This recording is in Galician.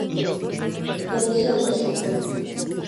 Decisión desta mañá.